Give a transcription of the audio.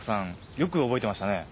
よく覚えてましたね？